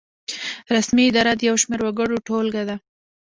رسمي اداره د یو شمیر وګړو ټولګه ده.